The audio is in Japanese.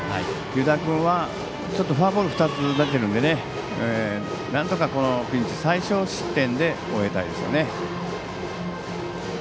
湯田君はフォアボール２つ出しているのでなんとかこのピンチを最少失点で終えたいですね。